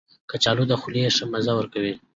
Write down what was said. کچالو د خولې ښه مزه ورکوي